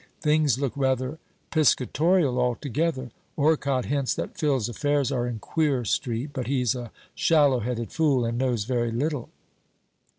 Things look rather piscatorial, altogether. Orcott hints that Phil's affairs are in queer street; but he's a shallow headed fool, and knows very little.